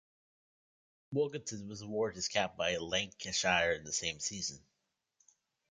Wilkinson was awarded his cap by Lancashire in the same season.